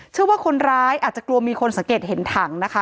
เชื่อว่าคนร้ายอาจจะกลัวมีคนสังเกตเห็นถังนะคะ